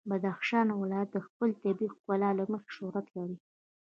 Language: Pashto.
بدخشان ولایت د خپل طبیعي ښکلا له مخې شهرت لري.